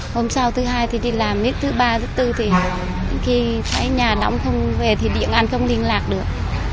hôm sau thứ hai thì đi làm thứ ba thứ bốn thì khi thấy nhà nóng không về thì điện anh không liên lạc được